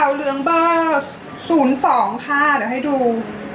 เหลืองเบอร์๐๒ค่ะเดี๋ยวให้ดู